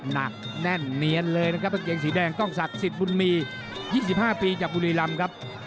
หนักแน่นเนียนเลยนะครับกางเกงสีแดงกล้องศักดิ์สิทธิ์บุญมี๒๕ปีจากบุรีรำครับ